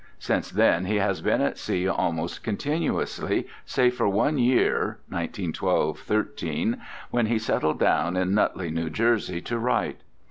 Since then he has been at sea almost continuously, save for one year (1912 13) when he settled down in Nutley, New Jersey, to write.